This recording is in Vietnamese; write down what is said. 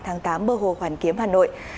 tháng tám bờ hồ hoàn kiếm hà nội